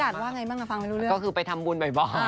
อยากทำบุญในประวัติศาสนธาเนี่ยก็ไปวัดธวรรค์ด้วยค่ะ